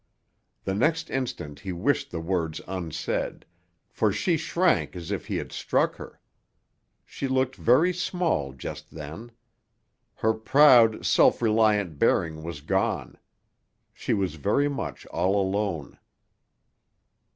The next instant he wished the words unsaid, for she shrank as if he had struck her. She looked very small just then. Her proud, self reliant bearing was gone. She was very much all alone.